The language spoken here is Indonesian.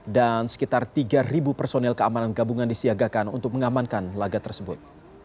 dan sekitar tiga personel keamanan gabungan disiagakan untuk mengamankan laga tersebut